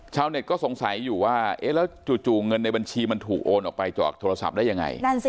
ชาวเน็ตก็สงสัยอยู่ว่าเอ๊ะแล้วจู่เงินในบัญชีมันถูกโอนออกไปจากโทรศัพท์ได้ยังไง